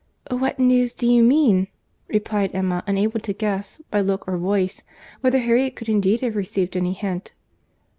"What news do you mean?" replied Emma, unable to guess, by look or voice, whether Harriet could indeed have received any hint.